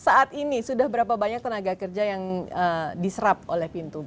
saat ini sudah berapa banyak tenaga kerja yang diserap oleh pintu masuk